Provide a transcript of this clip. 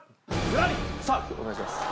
ズラリさあお願いします